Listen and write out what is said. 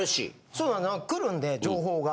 そうなんです来るんで情報が。